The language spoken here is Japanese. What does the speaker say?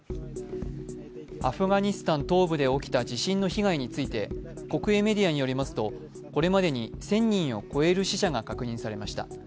アフガニスタン東部で起きた地震の被害について、国営メディアによりますとこれまでに１０００人を超える死者が確認されました。